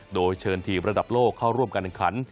โดยเชิญทีมระดับโลกเข้าร่วมการแข่งขัน